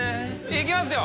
いきますよ。